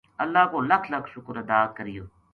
اللہ کو لکھ لکھ شکر ادا کریو